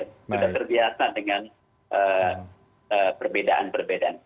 sudah terbiasa dengan perbedaan perbedaan